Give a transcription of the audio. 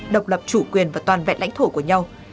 độc lập chủ quyền và toàn vẹn lãnh thổ của nhau